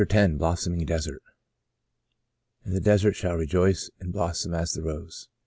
X THE BLOSSOMING DESERT " And the desert shall rejoice and blossom as the rose."